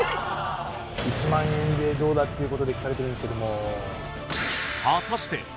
１万円でどうだっていうことで聞かれてるんですけども。